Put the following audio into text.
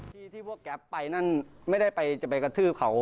ที่ที่พวกแก๊ปไปนั่นไม่ได้ไปจะไปกระทืบเขา